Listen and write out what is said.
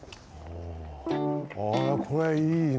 おああこれいいね。